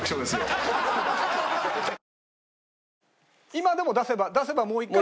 今でも出せばもう一回。